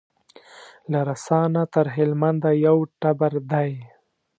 له رسا نه تر هلمند یو ټبر دی